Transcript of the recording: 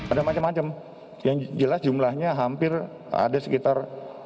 ada macam macam yang jelas jumlahnya hampir ada sekitar